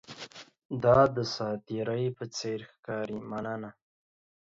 دا د ساتیرۍ په څیر ښکاري، مننه!